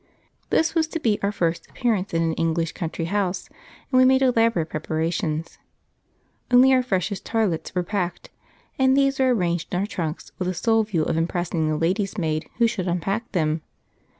This was to be our first appearance in an English country house, and we made elaborate preparations. Only our freshest toilettes were packed, and these were arranged in our trunks with the sole view of impressing the lady's maid who should unpack them.